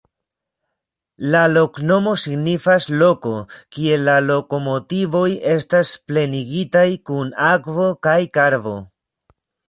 La loknomo signifas: loko, kie la lokomotivoj estas plenigitaj kun akvo kaj karbo.